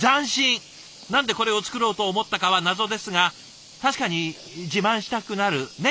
何でこれを作ろうと思ったかは謎ですが確かに自慢したくなるね？